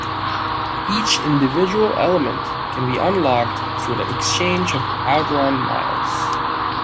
Each individual element can be unlocked through the exchange of "OutRun Miles".